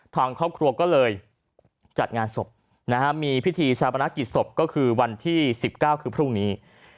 ทางครอบครัวก็เลยจัดงานศพมีพิธีชาปนกิจศพก็คือวันที่๑๙คือพรุ่งนี้